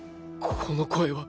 この声は。